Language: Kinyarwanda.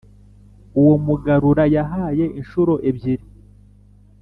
uwo mugarura yahaye inshuro ebyiri